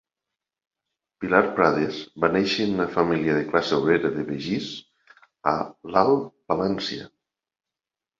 Pilar Prades va néixer en una família de classe obrera de Begís, a l'Alt Palància.